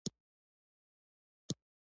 خاوره د افغانستان د اقتصاد یوه ډېره مهمه برخه ده.